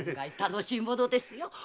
楽しいものですよ